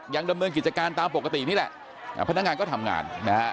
ดำเนินกิจการตามปกตินี่แหละพนักงานก็ทำงานนะฮะ